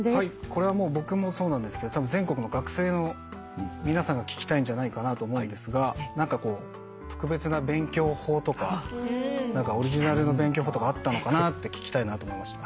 これは僕もそうなんですけどたぶん全国の学生の皆さんが聞きたいんじゃないかなと思うんですが特別な勉強法とかオリジナルの勉強法とかあったのかなって聞きたいなと思いまして。